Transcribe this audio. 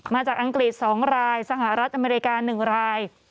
อังกฤษ๒รายสหรัฐอเมริกา๑ราย